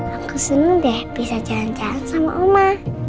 aku senang deh bisa jalan jalan sama oma